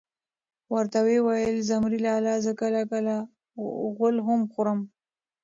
ورته وئې ویل: زمرى لالا زه کله کله غول هم خورم .